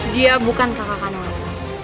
dia bukan kakak kandung aku